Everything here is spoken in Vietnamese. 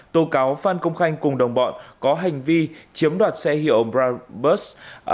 tố cáo phan công khanh cùng đồng bọn có hành vi chiếm đoạt xe hiệu brabus